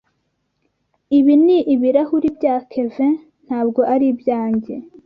Ibi ni ibirahuri bya Kevin, ntabwo ari ibyanjye.